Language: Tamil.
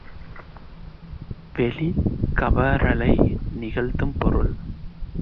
வெளிக்கவரலை நிகழ்த்தும் பொருள்.